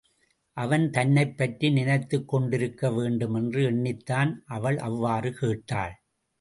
அவன் தன்னைப்பற்றி நினைத்துக் கொண்டிருக்க வேண்டும் என்று எண்ணித்தான், அவள் அவ்வாறு கேட்டாள்.